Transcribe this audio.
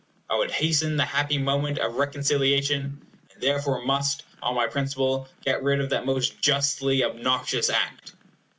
I would hasten the happy moment of reconciliation, and therefore must, on my principle, get rid of that most justly obnoxious Act.